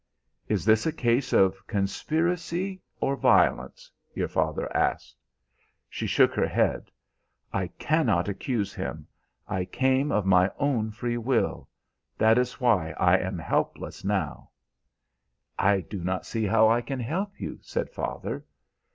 "'Is this a case of conspiracy or violence?' your father asked. "She shook her head. 'I cannot accuse him. I came of my own free will. That is why I am helpless now.' "'I do not see how I can help you,' said father.